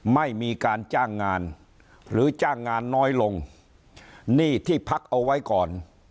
ไม่มีการจ้างงานหรือจ้างงานน้อยลงหนี้ที่พักเอาไว้ก่อน